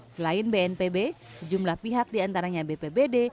selain bnpb sejumlah pihak diantaranya bpbd